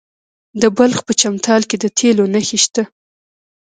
د بلخ په چمتال کې د تیلو نښې شته.